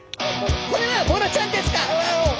これはボラちゃんですか！？